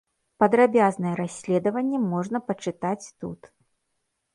Падрабязнае расследаванне можна пачытаць тут.